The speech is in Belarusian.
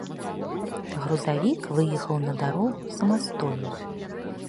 Грузавік выехаў на дарогу самастойна.